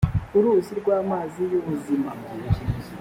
uruzi rw amazi y ubuzima